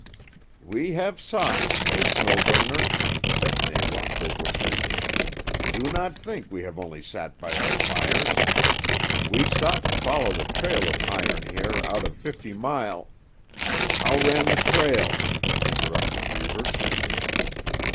"We have sought, oh, Snow Burner," said Nawa hopelessly. "Do not think we have only sat by our fires. We sought to follow the trail of Iron Hair out of Fifty Mile——" "How ran the trail?" interrupted Reivers.